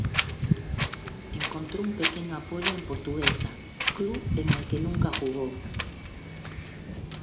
Encontró un pequeño apoyo en Portuguesa, club en el que nunca jugó.